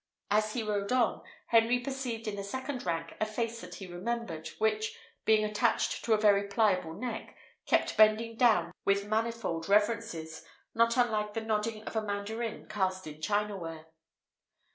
As he rode on, Henry perceived in the second rank a face that he remembered, which, being attached to a very pliable neck, kept bending down with manifold reverences, not unlike the nodding of a mandarin cast in china ware.